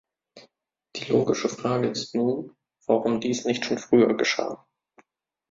Die logische Frage ist nun, warum dies nicht schon früher geschah?